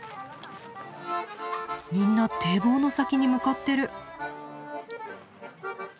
みんな堤防の先に向かってる。